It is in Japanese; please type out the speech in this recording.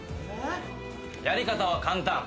やり方は簡単。